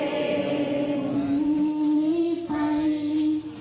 ทิงก้าวตามตะวันไป